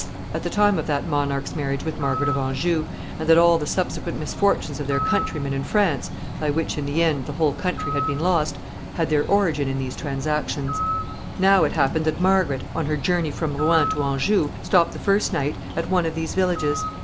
at the time of that monarch's marriage with Margaret of Anjou, and that all the subsequent misfortunes of their countrymen in France, by which, in the end, the whole country had been lost, had their origin in these transactions. [Sidenote: Margaret at the inn.] [Sidenote: Riot at the inn.] Now it happened that Margaret, on her journey from Rouen to Anjou, stopped the first night at one of these villages.